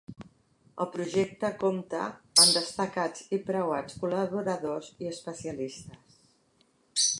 El projecte compta amb destacats i preuats col·laboradors i especialistes.